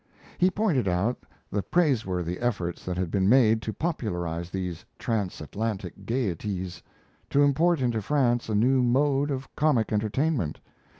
He pointed out the praiseworthy efforts that had been made to popularize these "transatlantic gaieties," to import into France a new mode of comic entertainment.